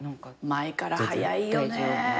前から早いよね。